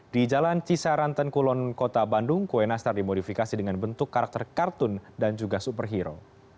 di jalan cisaranten kulon kota bandung kue nastar dimodifikasi dengan bentuk karakter kartun dan juga superhero